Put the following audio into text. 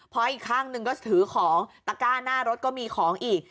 เพราะอีกข้างหนึ่งก็ถือของตะก้าหน้ารถก็มีของอีก